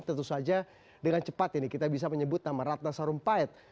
tentu saja dengan cepat ini kita bisa menyebut nama ratna sarumpait